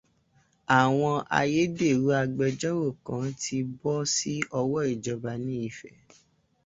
Àwọn ayédèrú agbẹjọ́rò kan ti bọ́ sí ọwọ́ ìjọba ní Ifẹ̀